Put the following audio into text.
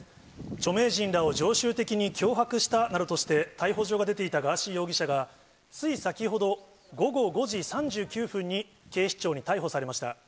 著名人らを常習的に脅迫したなどとして、逮捕状が出ていたガーシー容疑者が、つい先ほど午後５時３９分に警視庁に逮捕されました。